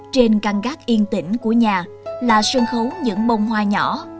trên căn gác yên tĩnh của nhà là sân khấu những bông hoa nhỏ